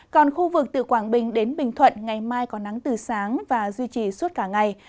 còn khu vực từ quảng bình đến bình thuận ngày mai có nắng từ sáng và duy trì suốt cả ngày